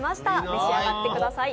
召し上がってください。